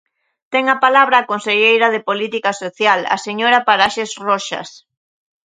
Ten a palabra a conselleira de Política Social, a señora Paraxes Roxas.